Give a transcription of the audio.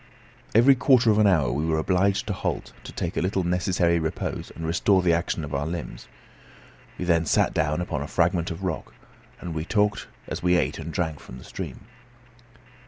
Every quarter of an hour we were obliged to halt, to take a little necessary repose and restore the action of our limbs. We then sat down upon a fragment of rock, and we talked as we ate and drank from the stream.